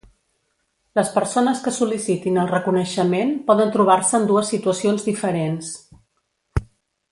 Les persones que sol·licitin el reconeixement poden trobar-se en dues situacions diferents.